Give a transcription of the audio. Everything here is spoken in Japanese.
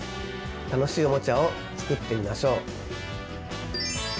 楽しいおもちゃを作ってみましょう！